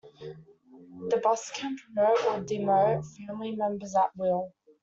The boss can promote or demote family members at will.